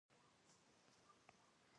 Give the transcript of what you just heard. ښه عمل د بد عمل نه غوره دی.